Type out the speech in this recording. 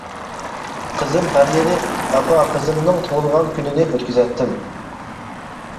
قىزىم ھەر يىلى، ئاپا قىزىمنىڭ تۇغۇلغان كۈنىنى ئۆتكۈزەتتىم.